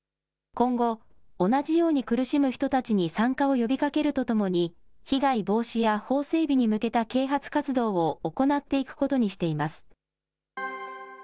今後、同じように苦しむ人たちに参加を呼びかけるとともに、被害防止や法整備に向けた啓発活動を行っていくことにしています。